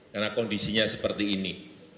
karena kondisinya seperti ini